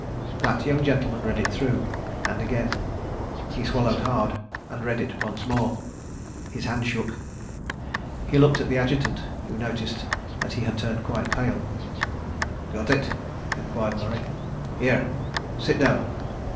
That young gentleman read it through, and again. He swallowed hard and read it once more. His hand shook. He looked at the Adjutant, who noticed that he had turned quite pale. "Got it?" enquired Murray. "Here, sit down."